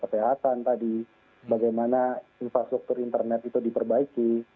kesehatan tadi bagaimana infrastruktur internet itu diperbaiki